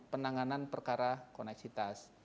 penanganan perkara koneksitas